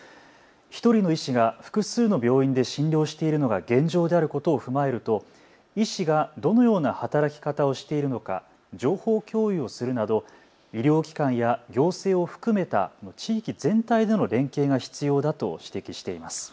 １人の医師が複数の病院で診療しているのが現状であることを踏まえると医師がどのような働き方をしているのか情報共有をするなど医療機関や行政を含めた地域全体での連携が必要だと指摘しています。